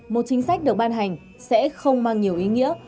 một chính sách được ban hành sẽ không mang nhiều ý nghĩa